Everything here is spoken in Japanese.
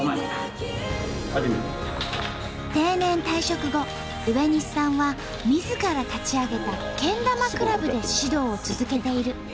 定年退職後植西さんはみずから立ち上げたけん玉クラブで指導を続けている。